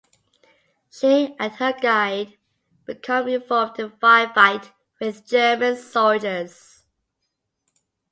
She and her guide become involved in a firefight with German soldiers.